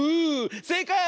せいかい！